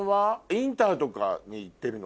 インターとかに行ってるの？